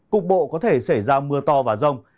cục bộ có thể xảy ra mưa to và rông